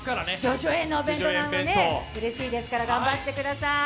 叙々苑のお弁当、うれしいですから頑張ってください。